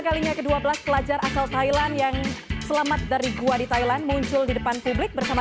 kalinya ke dua belas pelajar asal thailand yang selamat dari gua di thailand muncul di depan publik bersama